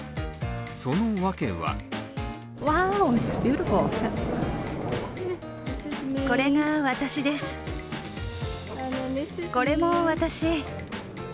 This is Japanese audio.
その訳はこれが私です、これも私。